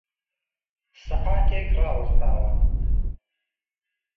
سهعاتێک راوهستاوه